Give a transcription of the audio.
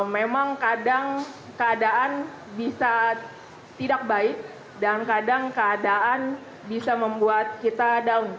memang kadang keadaan bisa tidak baik dan kadang keadaan bisa membuat kita down